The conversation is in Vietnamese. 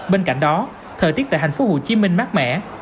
bên cạnh đó thời tiết tại tp hcm mát mẻ